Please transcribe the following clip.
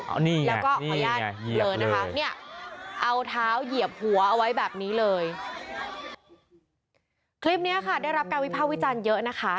อันนี้แล้วก็ขออนุญาตเบลอนะคะเนี่ยเอาเท้าเหยียบหัวเอาไว้แบบนี้เลยคลิปเนี้ยค่ะได้รับการวิภาควิจารณ์เยอะนะคะ